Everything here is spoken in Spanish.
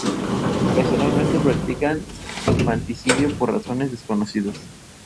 El rastro lo lleva a una isla abandonada.